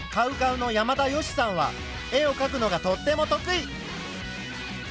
ＣＯＷＣＯＷの山田善しさんは絵をかくのがとっても得意。